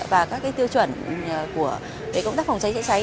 và các cái tiêu chuẩn của công tác phòng cháy cháy cháy